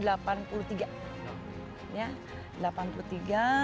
seribu sembilan ratus delapan puluh tiga lalu lilis handayani